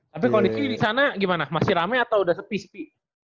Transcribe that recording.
tapi kondisi di sana gimana masih rame atau udah sepi sepi